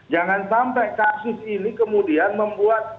jangan sampai kasus ini kemudian membuat